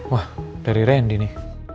wah dari rendy nih